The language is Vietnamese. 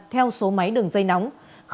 theo số máy đường dây nóng